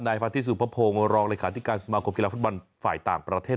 นายพันธิสุพพงศ์รองรายความธิการศึกษามาครกีฬาฟุตบาลฝ่ายต่างประเทศ